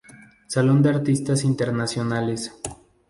Salón de Artistas Internacionales.